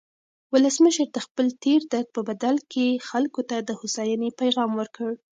ولسمشر د خپل تېر درد په بدل کې خلکو ته د هوساینې پیغام ورکړ.